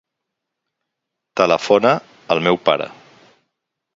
Telefona al meu pare.